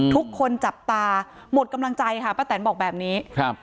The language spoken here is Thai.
ทุกคนจับตาหมดกำลังใจค่ะป้าแตนบอกแบบนี้ครับ